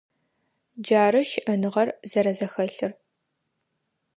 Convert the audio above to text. Джары щыӏэныгъэр зэрэзэхэлъыр.